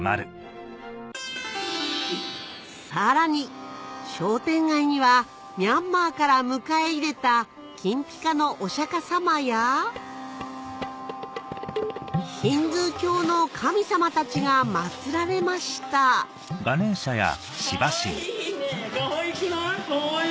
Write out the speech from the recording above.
さらに商店街にはミャンマーから迎え入れた金ピカのお釈迦様やヒンズー教の神様たちが祭られました・かわいいねかわいくない？